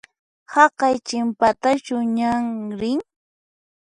Haqay chinpatachu ñan rin?